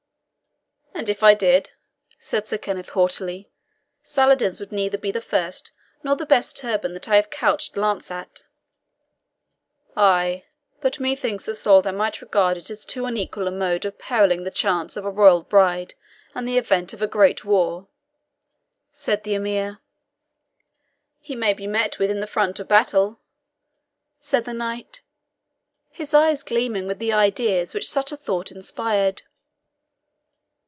"And if I did," said Sir Kenneth haughtily, "Saladin's would neither be the first nor the best turban that I have couched lance at." "Ay, but methinks the Soldan might regard it as too unequal a mode of perilling the chance of a royal bride and the event of a great war," said the Emir. "He may be met with in the front of battle," said the knight, his eyes gleaming with the ideas which such a thought inspired.